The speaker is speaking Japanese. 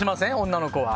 女の子は。